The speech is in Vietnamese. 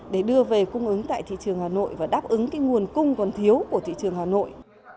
để đưa về cung ứng tại thị trường hà nội và đáp ứng nguồn cung còn thiếu của thị trường hà nội